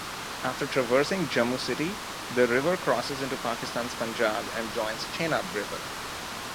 After traversing Jammu city, the river crosses into Pakistan's Punjab and joins Chenab river.